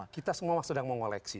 kita semua sedang mengoleksi